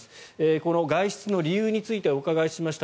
この外出の理由についてお伺いしました。